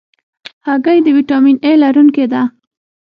هګۍ د ویټامین A لرونکې ده.